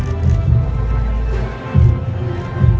สโลแมคริปราบาล